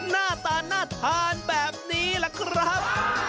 หน้าตาน่าทานแบบนี้ล่ะครับ